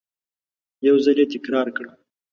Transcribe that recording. یو ځل یې تکرار کړه !